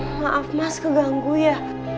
maaf mas keganggu ya